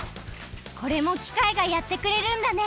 これもきかいがやってくれるんだね。